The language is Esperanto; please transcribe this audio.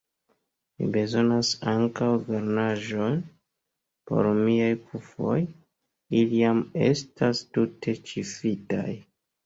Mi bezonas ankaŭ garnaĵon por miaj kufoj, ili jam estas tute ĉifitaj.